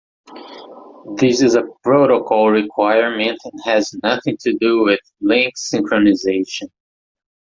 This is a protocol requirement and has nothing to do with link synchronisation.